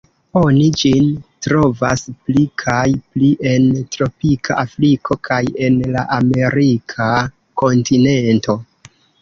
Oni ĝin trovas pli kaj pli en tropika Afriko kaj en la Amerika kontinento.